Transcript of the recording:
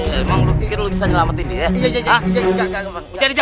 emang lu pikir bisa nyalametin dia